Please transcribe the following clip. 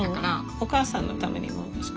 お母さんのためにも作る？